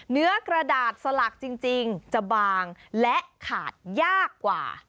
เนื้อกระดาษสลักจริงจะบางและขาดยากกว่า